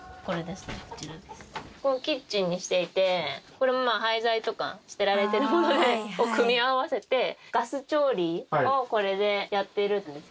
これも廃材とか捨てられてるものを組み合わせてガス調理をこれでやってるんです。